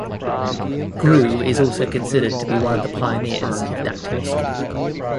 Grew is also considered to be one of the pioneers of dactyloscopy.